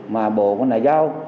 mà bộ của ngoại giao